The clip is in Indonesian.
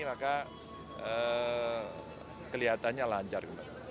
maka kelihatannya lancar